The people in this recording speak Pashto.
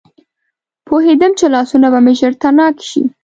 پوهېدم چې لاسونه به مې ژر تڼاکي شي.